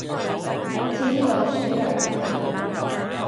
好似啲老鼠藥咁呀